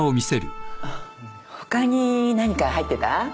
他に何か入ってた？